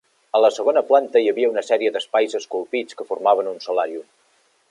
A la segona planta hi havia una sèrie d'espais esculpits que formaven un solàrium.